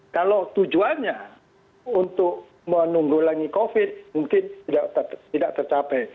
kalau tujuannya untuk menunggu lagi covid mungkin tidak tercapai